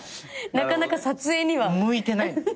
なかなか撮影には。向いてない。